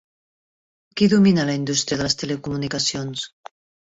Qui domina la indústria de les telecomunicacions?